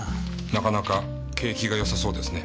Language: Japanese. なかなか景気がよさそうですね。